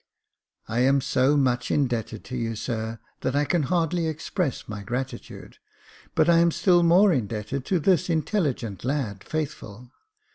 "•I am so much indebted to you, sir, that I can hardly express my gratitude, but I am still more indebted to this intelligent lad. Faithful.